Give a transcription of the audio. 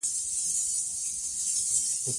ځکه دا خلک هر ځائے د خپلې خلې